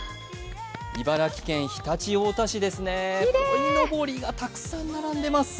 茨城県常陸太田市ですね、こいのぼりがたくさん並んでいます。